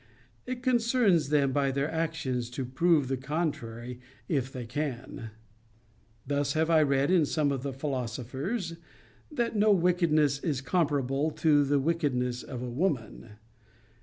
It concerns them, by their actions, to prove the contrary, if they can. Thus have I read in some of the philosophers, That no wickedness is comparable to the wickedness of a woman.